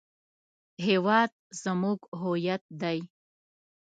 هېواد زموږ هویت دی